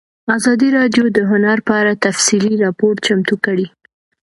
ازادي راډیو د هنر په اړه تفصیلي راپور چمتو کړی.